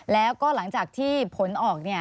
แล้วก็หลังจากที่ผลออก